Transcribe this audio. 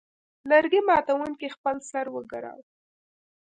لرګي ماتوونکي خپل سر وګراوه.